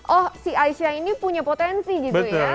oh si aisyah ini punya potensi gitu ya